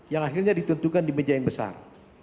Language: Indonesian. yang akhirnya ditentukan di meja yang besar